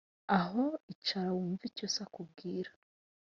aho icara wumve icyo so akubwira.